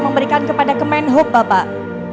memberikan kepada kemen hub bapak